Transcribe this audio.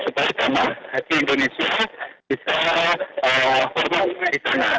supaya damai hati indonesia bisa berhubung di sana